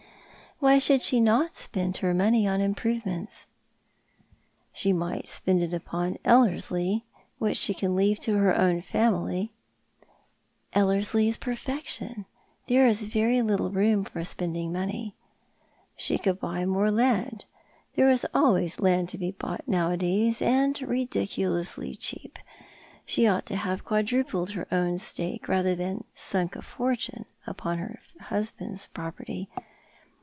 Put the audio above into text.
" Why should she not spend her money upon improve ments ?" "She might spend it upon Ellerslie, which she can leave to lier own family." " EUerslie is perfection. There is very little room for spending money." " She could buy more land. There is always land to be bought nowadays, and ridiculously cheap. She ought to have quad rupled her own estate rather than sunk a fortune upon her husband's property.